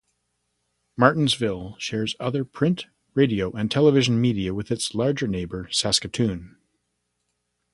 Martensville shares other print, radio and television media with its larger neighbour, Saskatoon.